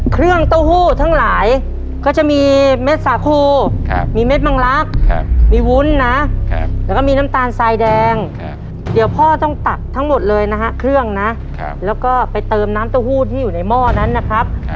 ตอนนี้นะฮะผมจะลาสามนาทีแล้วครับถ้าไม่เกินสามนาทียังไหลถึงบาระกรุณาได้นะครับ